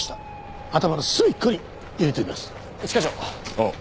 おう。